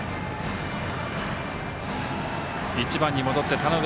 １番に戻って田上。